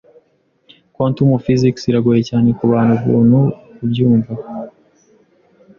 Quantum physics iragoye cyane kubantu buntu kubyumva.